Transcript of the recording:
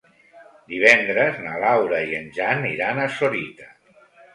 Divendres na Laura i en Jan iran a Sorita.